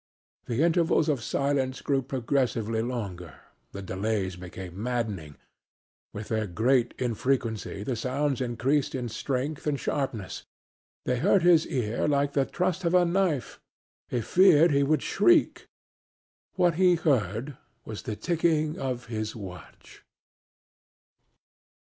The intervals of silence grew progressively longer; the delays became maddening. With their greater infrequency the sounds increased in strength and sharpness. They hurt his ear like the thrust of a knife; he feared he would shriek. What he heard was the ticking of his watch.